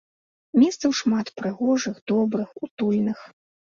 Месцаў шмат прыгожых, добрых, утульных.